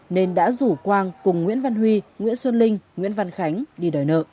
nên đã rủ quang cùng nguyễn văn huy nguyễn xuân linh nguyễn văn khánh đi đòi nợ